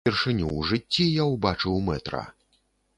Упершыню ў жыцці я ўбачыў мэтра.